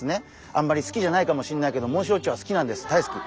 あんまり好きじゃないかもしれないけどモンシロチョウは好きなんです大好き。